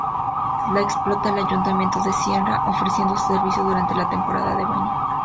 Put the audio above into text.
Lo explota el ayuntamiento de Sintra, ofreciendo su servicio durante la temporada de baño.